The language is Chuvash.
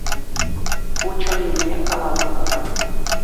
Ку чӑннине калани кӑна.